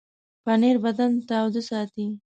پنېر بدن تاوده ساتي.